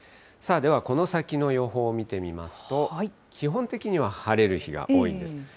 さあでは、この先の予報を見てみますと、基本的には晴れる日が多いんです。